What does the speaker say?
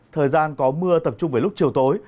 thời gian có mưa tập trung về lúc chiều tối